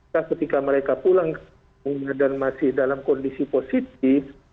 setelah mereka pulang dan masih dalam kondisi positif